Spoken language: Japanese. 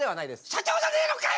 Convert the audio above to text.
「社長じゃねえのかよ！」。